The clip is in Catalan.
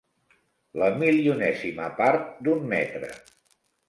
La milionèsima part d'un metre.